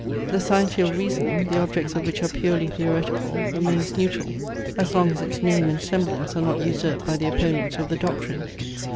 The sciential reason, the objects of which are purely theoretical, remains neutral, as long as its name and semblance are not usurped by the opponents of the doctrine.